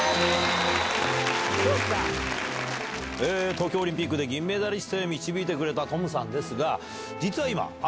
東京オリンピックで銀メダリストへ導いてくれたトムさんですが。